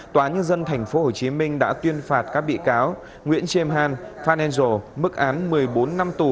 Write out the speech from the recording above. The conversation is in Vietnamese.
tòa nhân dân tp hcm đã tuyên phạt các bị cáo nguyễn trêm hàn phan angel mức án một mươi bốn năm tù